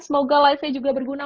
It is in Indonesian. semoga live nya juga berguna